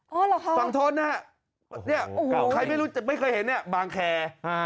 อ๋อเหรอคะฟังโทษนะฮะใครไม่เคยเห็นนี่บางแคร